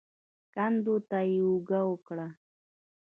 کندو ته يې اوږه ورکړه.